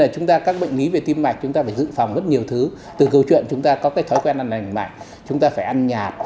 chúng ta phải giữ phòng rất nhiều thứ từ câu chuyện chúng ta có thói quen ăn lành mạnh chúng ta phải ăn nhạt